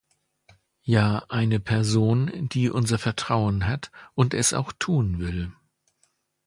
Ja eine Person, die unser Vertrauen hat und es auch tun will.